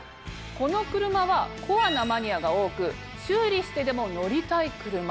この車はコアなマニアが多く修理してでも乗りたい車。